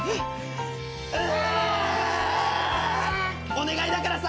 お願いだからさ！